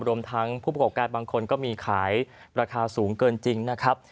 รวมทั้งผู้ประกอบการบางคนก็มีขายราคาสูงเกินจริงนะครับ